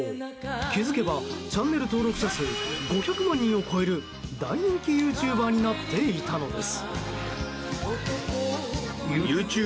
気づけばチャンネル登録者数５００万人を超える大人気ユーチューバーになっていたのです。